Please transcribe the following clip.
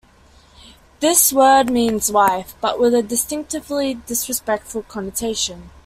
This word means wife, but with a distinctly disrespectful connotation.